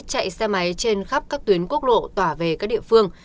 chạy xe máy trên khắp các tuyến quốc lộ tỏa về các địa phương